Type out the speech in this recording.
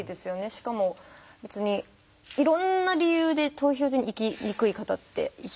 しかも別にいろんな理由で投票所に行きにくい方っていっぱいいて。